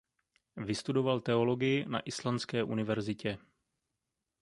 Vystudoval teologii na Islandské univerzitě.